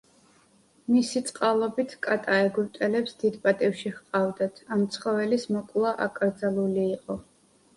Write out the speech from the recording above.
მისი წყალობით, კატა ეგვიპტელებს დიდ პატივში ჰყავდათ, ამ ცხოველის მოკვლა აკრძალული იყო.